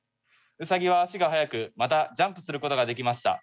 ウサギは足が速くまたジャンプすることができました。